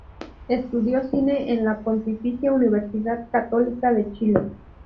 Estudió cine en la Pontificia Universidad Católica de Chile.